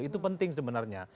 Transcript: itu penting sebenarnya